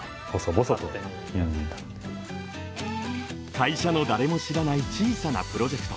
会社の誰も知らない小さなプロジェクト。